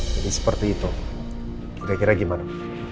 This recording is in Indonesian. jadi seperti itu kira kira gimana